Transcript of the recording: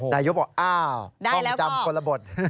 นายกบอกอ้าวต้องจำคนละบท